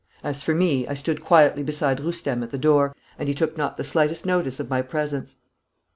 As for me, I stood quietly beside Roustem at the door, and he took not the slightest notice of my presence.